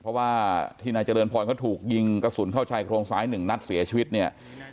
เพราะว่าที่นายเจริญพรเขาถูกยิงกระสุนเข้าชายโครงซ้ายหนึ่งนัดเสียชีวิตเนี่ย